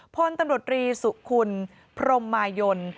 พลตำรวจรีสุคุณพรมมายน